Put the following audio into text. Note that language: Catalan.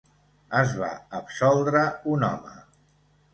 Es va absoldre un home.